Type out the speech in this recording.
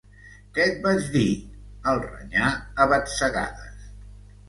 Què, et, vaig, dir? –el renyà a batzegades.